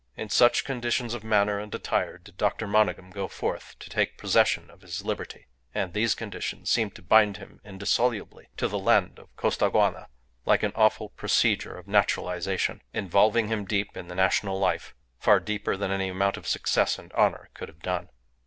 In such conditions of manner and attire did Dr. Monygham go forth to take possession of his liberty. And these conditions seemed to bind him indissolubly to the land of Costaguana like an awful procedure of naturalization, involving him deep in the national life, far deeper than any amount of success and honour could have done.